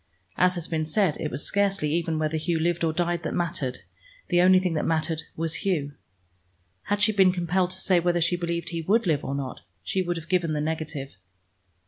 As has been said, it was scarcely even whether Hugh lived or died that mattered: the only thing that mattered was Hugh. Had she been compelled to say whether she believed he would live or not, she would have given the negative.